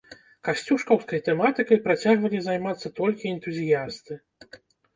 Касцюшкаўскай тэматыкай працягвалі займацца толькі энтузіясты.